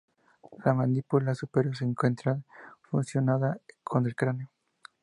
La mandíbula superior se encuentra fusionada con el cráneo.